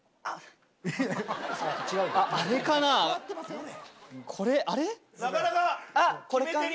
あっこれか？